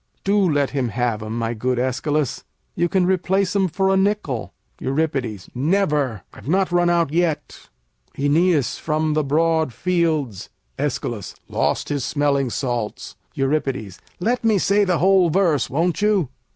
Do let him have 'em, my good Æschylus. You can replace 'em for a nickel. Eur. Never. I've not run out yet. Oeneus from broad fields Æsch. lost his smelling salts. Eur. Let me say the whole verse, won't you?